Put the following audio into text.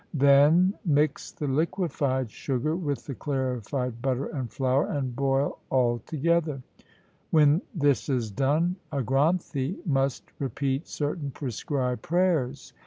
Then mix the liquefied sugar with the clarified butter and flour, and boil all together. When this is done a Granthi must repeat certain prescribed prayers.